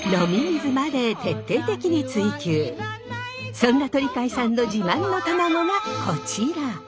そんな鳥飼さんの自慢の卵がこちら。